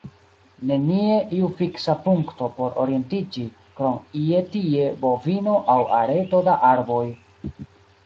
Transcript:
Nenie iu fiksa punkto por orientiĝi, krom ie-tie bovino aŭ areto da arboj.